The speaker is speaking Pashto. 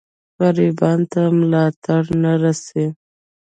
غریبانو ته ملاتړ نه رسي.